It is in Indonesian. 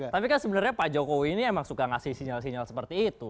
tapi kan sebenarnya pak jokowi ini emang suka ngasih sinyal sinyal seperti itu